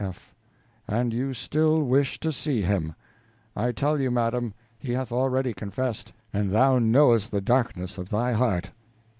F. And you still wish to see him! I tell you, madam, he hath already confessed, and thou knowest the darkness of thy heart.